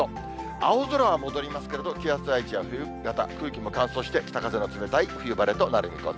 青空は戻りますけれど、気圧配置は冬型、空気も乾燥して、北風の冷たい冬晴れとなる見込み。